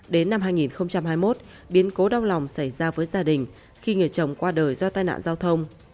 đến năm hai nghìn hai mươi một biến cố đau lòng xảy ra với gia đình khi người chồng qua đời do tai nạn giao thông